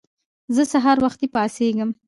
زه سهار وختی پاڅیږم